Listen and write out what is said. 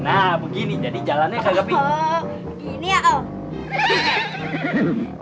nah begini jadi jalannya kayak gamping